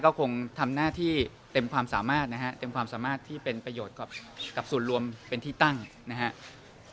ก็คงทำหน้าที่เต็มความสามารถนะฮะเต็มความสามารถที่เป็นประโยชน์กับส่วนรวมเป็นที่ตั้งนะครับ